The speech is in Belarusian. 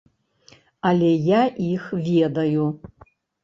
Але я іх ведаю.